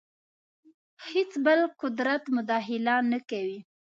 هېڅ بل قدرت مداخله نه کوي.